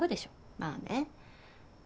まあね。